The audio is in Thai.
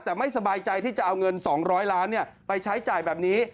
แต่ไม่สบายใจที่จะเอาเงิน๒๐๐ล้านไปใช้จ่ายแบบนี้